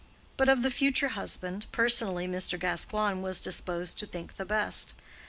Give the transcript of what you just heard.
But of the future husband personally Mr. Gascoigne was disposed to think the best.